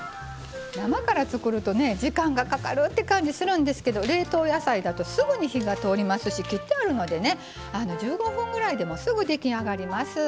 生から作ると時間がかかるっていう感じするんですけど冷凍野菜だとすぐに火が通りますし切ってあるので１５分ぐらいですぐに出来上がります。